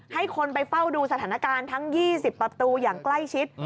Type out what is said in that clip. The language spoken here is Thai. ให้คนไปเฝ้าดูสถานการณ์ทั้ง๒๐ประตูอย่างใกล้ชิด